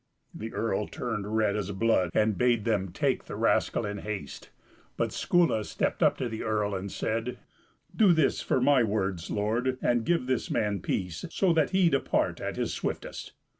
The earl turned red as blood, and bade them take the rascal in haste; but Skuli stepped up to the earl, and said: "Do this for my words, lord, and give this man peace, so that he depart at his swiftest."